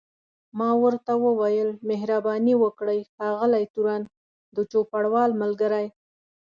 ما ورته وویل مهرباني وکړئ ښاغلی تورن، د چوپړوال ملګری.